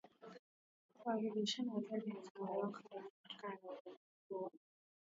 huku wakikabiliana na atahri zinazoongezeka duniani kutokana na uvamizi huo